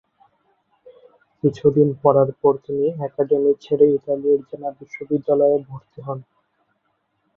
কিছুদিন পড়ার পর তিনি অ্যাকাডেমি ছেড়ে ইতালির জেনা বিশ্ববিদ্যালয়ে ভর্তি হন।